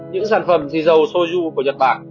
những sản phẩm xì dầu soju của nhật bản